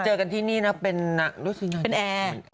เจอกันที่นี่นะเป็นรู้สึกยังไง